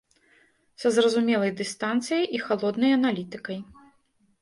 Са зразумелай дыстанцыяй і халоднай аналітыкай.